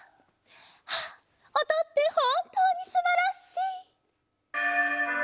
ああおとってほんとうにすばらしい！